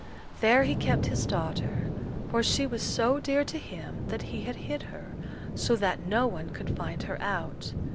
There he kept his daughter, for she was so dear to him that he had hid her, so that no one could find her out.